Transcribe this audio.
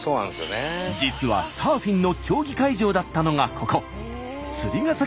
実はサーフィンの競技会場だったのがここ釣ヶ崎